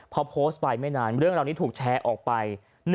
พอโพสต์ไปไม่นานเรื่องราวนี้ถูกแชร์ออกไป